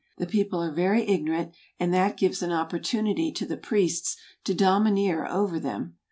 The people are very ignorant, and that gives an opportunity to the priests to domineer over them.